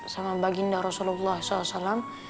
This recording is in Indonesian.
sama baginda rasulullah saw